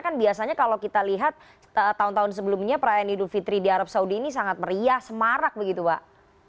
kan biasanya kalau kita lihat tahun tahun sebelumnya perayaan idul fitri di arab saudi ini sangat meriah semarak begitu pak